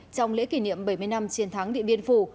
trong lễ kỷ niệm bảy mươi năm chiến thắng địa biên phủ